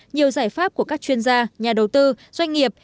nhiều giải pháp của các chuyên gia nhà đầu tư doanh nghiệp